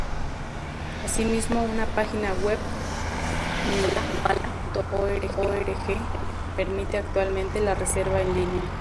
Asimismo, una página web, "mydabbawala.org", permite actualmente la reserva en línea.